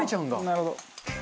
なるほど。